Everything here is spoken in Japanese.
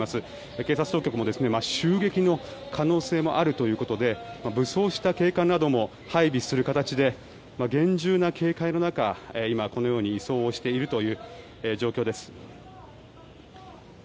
警察当局も襲撃の可能性もあるということで武装した警官なども配備する形で厳重な警戒の中、今このように移送をしている状況です。